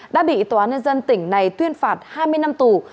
đã bị tòa án nhân dân tỉnh này tuyên phạt hai mươi năm tù